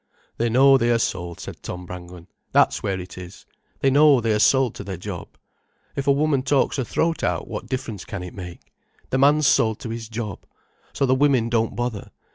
"They know they are sold," said Tom Brangwen. "That's where it is. They know they are sold to their job. If a woman talks her throat out, what difference can it make? The man's sold to his job. So the women don't bother.